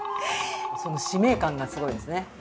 その使命感がすごいですね。